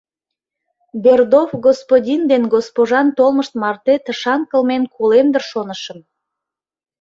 Бердоф господин ден госпожан толмышт марте тышан кылмен колем дыр шонышым.